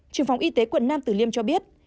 trường phòng y tế quận năm từ liêm cho biết